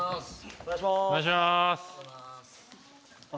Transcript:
お願いします。